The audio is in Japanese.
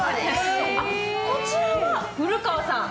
こちらは古川さん。